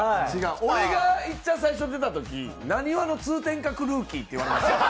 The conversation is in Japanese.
俺がいっちゃん最初出たとき、ナニワの通天閣ルーキーって言われました。